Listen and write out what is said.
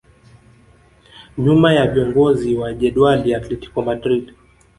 Nyuma ya viongozi wa jedwali Atletico Madrid